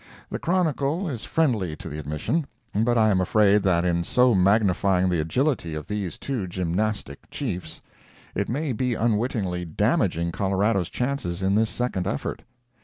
The Chronicle is friendly to the admission, but I am afraid that in so magnifying the agility of these two gymnastic chiefs, it may be unwittingly damaging Colorado's chances in this second effort.